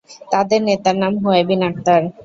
তাদের নেতার নাম হুয়াই বিন আখতার।